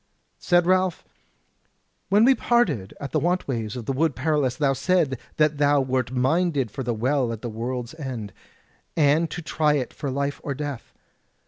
Said Ralph: "When we parted at the want ways of the Wood Perilous thou saidst that thou wert minded for the Well at the World's End, and to try it for life or death.